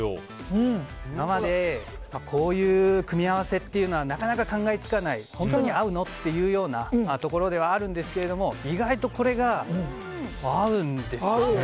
今までこういう組み合わせというのはなかなか考え付かない本当に合うの？っていうようなところではあるんですが意外と、これが合うんですよね。